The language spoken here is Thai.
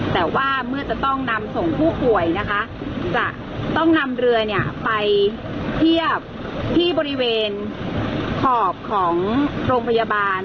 แต่ว่าเมื่อจะต้องนำส่งผู้ป่วยนะคะจะต้องนำเรือเนี่ยไปเทียบที่บริเวณขอบของโรงพยาบาล